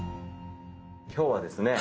今日はですね